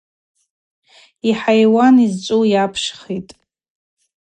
Ахӏайуан йызчӏву йапшхитӏ.